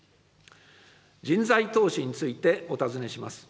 人材投資についてお尋ねします。